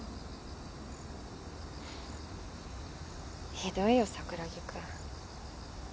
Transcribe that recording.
ひどいよ桜木くん。